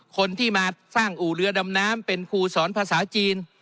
คนที่มาสร้างอู่เรือดำน้ำเป็นครูสอนภาษาจีน